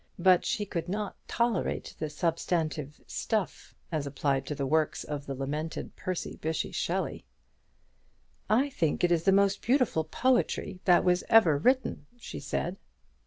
But she could not tolerate the substantive "stuff" as applied to the works of the lamented Percy Bysshe Shelley. "I think it is the most beautiful poetry that was ever written," she said.